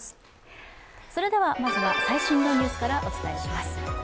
それではまずは最新のニュースからお伝えします。